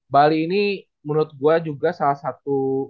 bali ini menurut gue juga salah satu